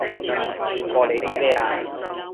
串過你啲咩啊